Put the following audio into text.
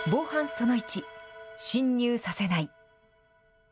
その１、侵入させない。